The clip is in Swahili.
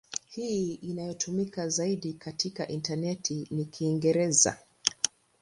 Hii inayotumika zaidi katika intaneti ni Kiingereza.